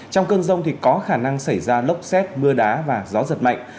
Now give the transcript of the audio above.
trong cơn rông thì có khả năng xảy ra lốc xét mưa đá và gió giật mạnh